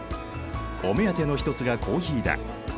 お目当ての一つがコーヒーだ。